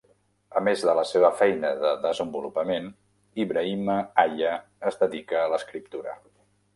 A més de la seva feina de desenvolupament, Ibrahima Aya es dedica a l'escriptura.